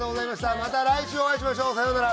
また来週お会いしましょうさようなら。